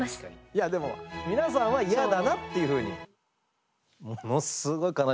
いやでも皆さんは嫌だなっていうふうに。